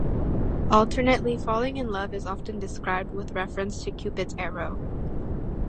Alternately, falling in love is often described with reference to Cupid's arrow.